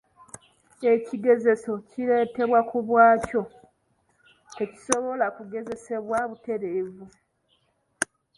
Ekigezeso, kireetebwa ku bwakyo tekisobola kugezesebwa butereevu.